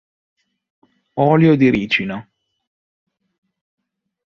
Olio di ricino!".